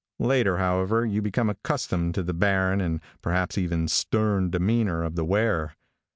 Later, however, you become accustomed to the barren and perhaps even stern demeanor of the wearer.